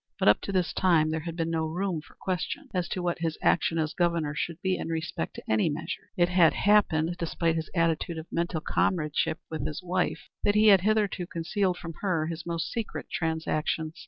But up to this time there had been no room for question as to what his action as Governor should be in respect to any measure. It had happened, despite his attitude of mental comradeship with his wife, that he had hitherto concealed from her his most secret transactions.